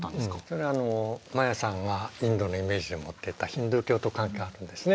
それはマヤさんがインドのイメージで持ってたヒンドゥー教と関係あるんですね。